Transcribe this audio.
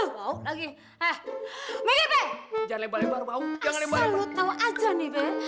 palau gua pengen meletak nih